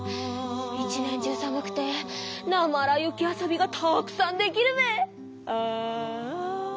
一年中さむくてなまら雪遊びがたくさんできるべ！